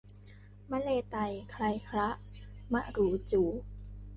มะเลไตไคลคละมะหรูจู๋